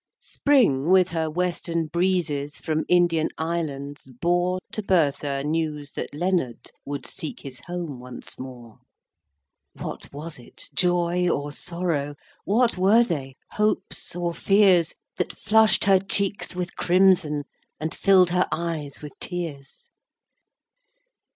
V. Spring, with her western breezes, From Indian islands bore To Bertha news that Leonard Would seek his home once more. What was it—joy, or sorrow? What were they—hopes, or fears? That flush'd her cheeks with crimson, And fill'd her eyes with tears?